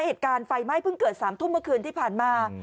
เหตุการณ์ไฟไหม้เพิ่งเกิด๓ทุ่มเมื่อคืนที่ผ่านมา